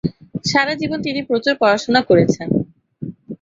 সারা জীবন তিনি প্রচুর পড়াশোনা করেছেন।